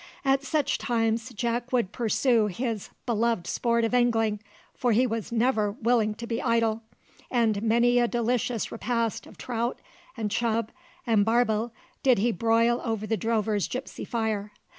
At such times Jack would pursue his beloved sport of angling for he was never willing to be idle and many a delicious repast of trout, and chub, and barbel did he broil over the drovers' gipsy fire.